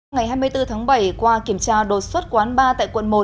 ngày hai mươi bốn tháng bảy qua kiểm tra đột xuất quán bar tại quận một